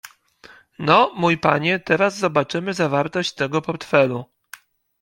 "No, mój panie, teraz zobaczymy zawartość tego portfelu."